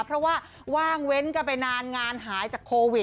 เพราะว่าว่างเว้นกันไปนานงานหายจากโควิด